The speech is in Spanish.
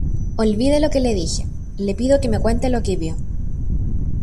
olvide lo que le dije. le pido que me cuente lo que vio,